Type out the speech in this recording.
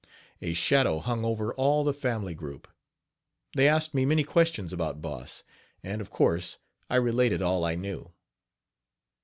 A shadow hung over all the family group. They asked me many questions about Boss, and, of course, I related all I knew.